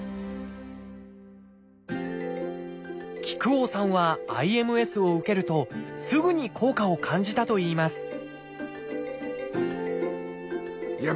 木久扇さんは「ＩＭＳ」を受けるとすぐに効果を感じたといいます